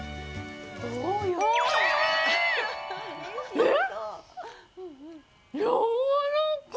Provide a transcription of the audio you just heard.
えっ！？